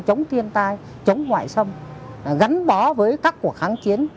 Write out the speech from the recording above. chống thiên tai chống ngoại xâm gắn bó với các cuộc kháng chiến